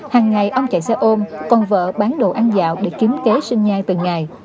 hằng ngày ông chạy xe ôm còn vợ bán đồ ăn dạo để kiếm kế sinh nhai từng ngày